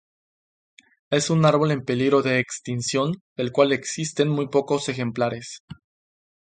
Es un árbol en peligro de extinción, del cual existen muy pocos ejemplares.